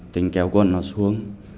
tính kéo quần nó xuống